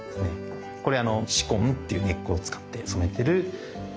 これあの紫根っていう根っこを使って染めてる紫です。